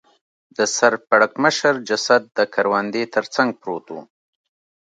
د سر پړکمشر جسد د کروندې تر څنګ پروت و.